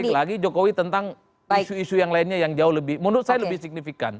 balik lagi jokowi tentang isu isu yang lainnya yang jauh lebih menurut saya lebih signifikan